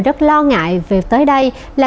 rất lo ngại việc tới đây là